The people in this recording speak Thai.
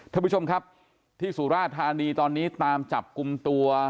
ท่านผู้ชมครับที่สุราธานีตอนนี้ตามจับกลุ่มตัว